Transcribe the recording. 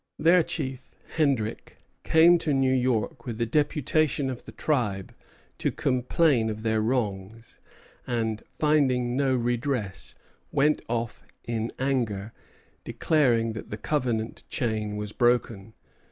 Their chief, Hendrick, came to New York with a deputation of the tribe to complain of their wrongs; and finding no redress, went off in anger, declaring that the covenant chain was broken.